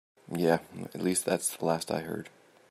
Yeah, at least that's the last I heard.